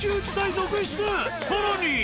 さらに！